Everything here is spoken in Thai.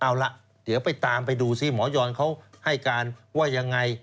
เอาล่ะเดี๋ยวไปตามไปดูสิหมอยอนเขาให้การว่ายังไง